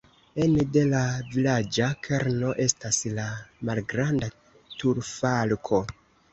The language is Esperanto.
Ene de la vilaĝa kerno estas la malgranda turfalko.